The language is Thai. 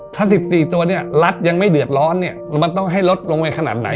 ถ้า๑๔ตัวเนี่ยรัฐยังไม่เดือดร้อนเนี่ยมันต้องให้ลดลงไปขนาดไหน